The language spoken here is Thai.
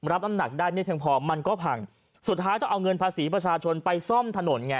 รับน้ำหนักได้ไม่เพียงพอมันก็พังสุดท้ายต้องเอาเงินภาษีประชาชนไปซ่อมถนนไง